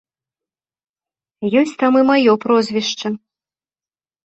Ёсць там і маё прозвішча.